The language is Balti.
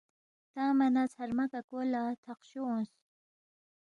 تنگما نہ ژھرمہ ککو لہ تھقشو اونگس